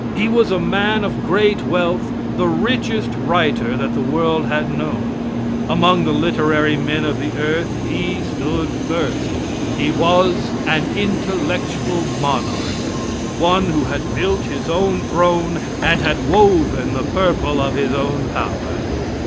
He was a man of great wealth, the richest writer that the world had known. Among the literary men of the earth he stood first. He was an intellectual monarch one who had built his own throne and had woven the purple of his own power.